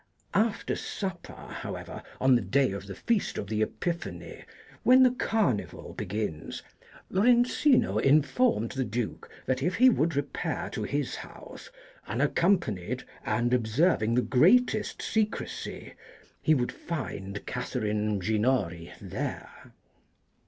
After supper, however, on the day of the feast of the Epiphany, when the Carnival begins, Lorenzino informed the Duke that if he would repair to his house, unaccompanied and observing the greatest secrecy, he would find Catherine Ginori there.